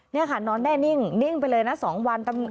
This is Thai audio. นี่ค่ะนอนแน่นิ่งไปเลยนะ๒วัน